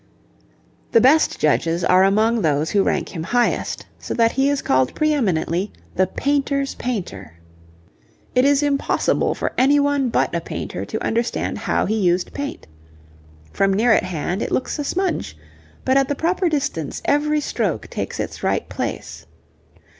The best judges are among those who rank him highest, so that he is called pre eminently 'the painter's painter.' It is impossible for any one but a painter to understand how he used paint. From near at hand it looks a smudge, but at the proper distance every stroke takes its right place.